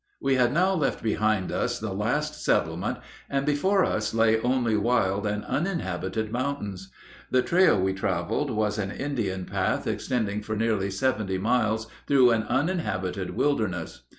We had now left behind us the last settlement, and before us lay only wild and uninhabited mountains. The trail we traveled was an Indian path extending for nearly seventy miles through an uninhabited wilderness.